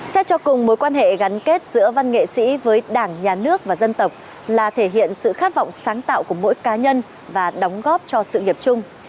xét cho cùng mối quan hệ gắn kết giữa văn nghệ sĩ với đảng nhà nước và dân tộc là thể hiện sự khát vọng sáng tạo của mỗi cá nhân và đóng góp cho sự nghiệp chung